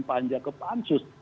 panja ke pansus